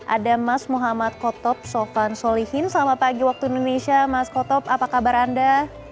ada mas muhammad kotop sofan solihin selamat pagi waktu indonesia mas kotop apa kabar anda